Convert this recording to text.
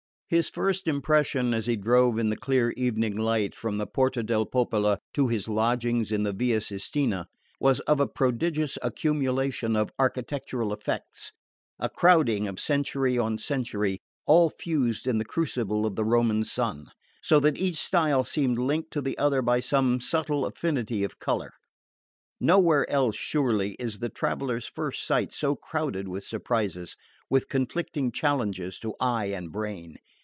His first impression, as he drove in the clear evening light from the Porta del Popolo to his lodgings in the Via Sistina, was of a prodigious accumulation of architectural effects, a crowding of century on century, all fused in the crucible of the Roman sun, so that each style seemed linked to the other by some subtle affinity of colour. Nowhere else, surely, is the traveller's first sight so crowded with surprises, with conflicting challenges to eye and brain.